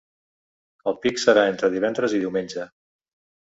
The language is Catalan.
El pic serà entre divendres i diumenge.